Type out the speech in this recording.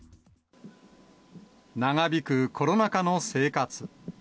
長引くコロナ禍の生活。